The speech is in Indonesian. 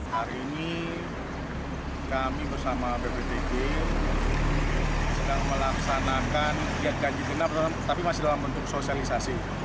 hari ini kami bersama bptg sedang melaksanakan kegiatan ganjil genap tapi masih dalam bentuk sosialisasi